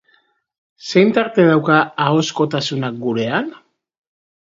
Zein tarte dauka ahozkotasunak gurean?